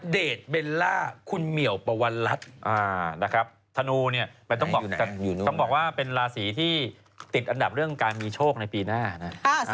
เบลล่าคุณเหมียวปวัลรัฐนะครับธนูเนี่ยมันต้องบอกว่าเป็นราศีที่ติดอันดับเรื่องการมีโชคในปีหน้านะ